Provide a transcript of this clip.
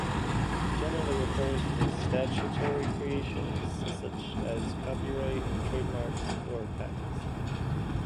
It generally refers to statutory creations such as copyright, trademarks, or patents.